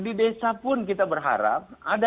di desa pun kita berharap ada